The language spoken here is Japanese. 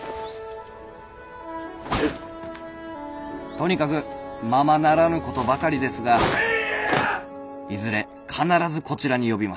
「とにかくままならぬことばかりですがいずれ必ずこちらに呼びます。